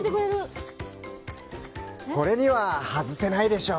これには外せないでしょう！